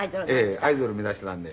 アイドルを目指してたんで。